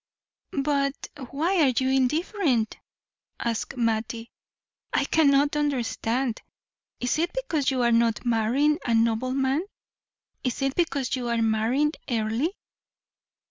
"But why are you indifferent?" asked Mattie. "I cannot understand. Is it because you are not marrying a nobleman is it because you are marrying Earle?"